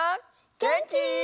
げんき？